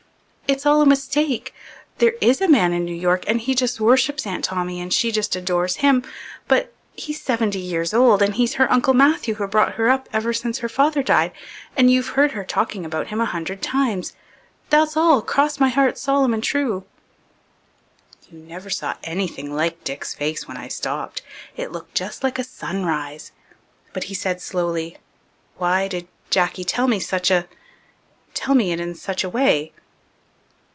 "It's all a mistake. There is a man in New York and he just worships Aunt Tommy and she just adores him. But he's seventy years old and he's her Uncle Matthew who brought her up ever since her father died and you've heard her talking about him a hundred times. That's all, cross my heart solemn and true." You never saw anything like Dick's face when I stopped. It looked just like a sunrise. But he said slowly, "Why did Jacky tell me such a tell me it in such a way?"